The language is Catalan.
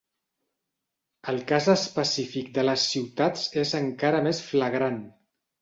El cas específic de les ciutats és encara més flagrant.